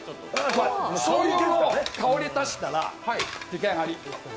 しょうゆの香り足したら出来上がり。